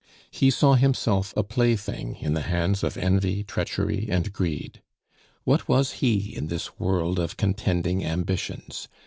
He saw himself a plaything in the hands of envy, treachery, and greed. What was he in this world of contending ambitions?